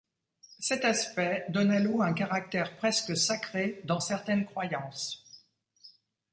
Cet aspect donne à l’eau un caractère presque sacré dans certaines croyances.